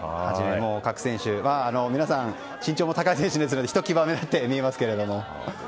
各選手、皆さん身長も高い選手ですのでひときわ目立って見えますけど。